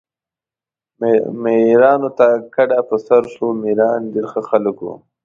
میرانو ته کډه په سر شو، میران ډېر ښه خلک وو.